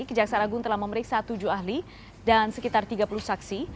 kejaksaan agung telah memeriksa tujuh ahli dan sekitar tiga puluh saksi